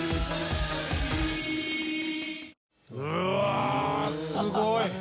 うわすごい！